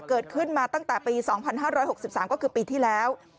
เกิดขึ้นมาตั้งแต่ปี๒๕๖๓ก็คือปีที่แล้ว